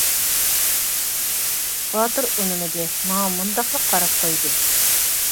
باتۇر ئۈندىمىدى، ماڭا مۇنداقلا قاراپ قويدى.